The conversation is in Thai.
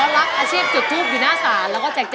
รักอาชีพจุดทูปอยู่หน้าศาลแล้วก็แจก